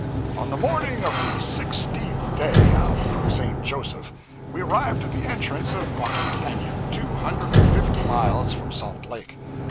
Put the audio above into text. On the morning of the sixteenth day out from St. Joseph we arrived at the entrance of Rocky Canyon, two hundred and fifty miles from Salt Lake.